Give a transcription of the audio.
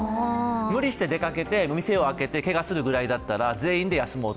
無理して出かけて店を開けてけがをするぐらいだったら、全員が休もうと。